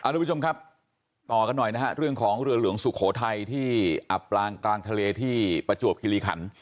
ทุกผู้ชมครับต่อกันหน่อยนะฮะเรื่องของเรือหลวงสุโขทัยที่อับปลางกลางทะเลที่ประจวบคิริขัน